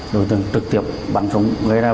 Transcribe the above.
đối tượng trực tiếp bắn súng gây ra vụ án đạo